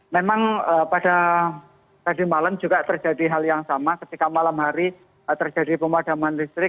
memang pada tadi malam juga terjadi hal yang sama ketika malam hari terjadi pemadaman listrik